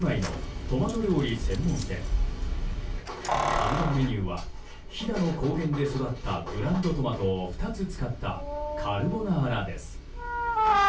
看板メニューは、飛騨の高原で育ったブランドトマトを２つ使ったカルボナーラです。